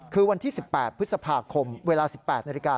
คือวันที่๑๘พฤษภาคมเวลา๑๘นาฬิกา